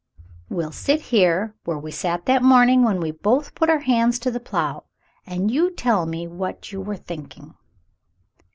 "We'll sit here where we sat that morning when we both put our hands to the plough, and you tell me what you were thinking."